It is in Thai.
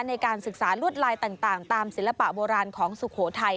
ในการศึกษาลวดลายต่างตามศิลปะโบราณของสุโขทัย